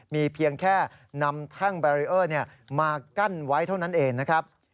มีเพียงแค่นำแท่งแบรีเออร์มากั้นไว้เท่านั้นเองนะครับ